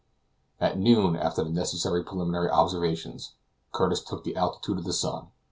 At noon, after the necessary preliminary observations, Curtis took the altitude of the sun.